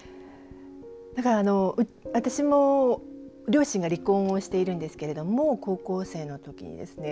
なんか私も、両親が離婚をしているんですけれども高校生の時にですね。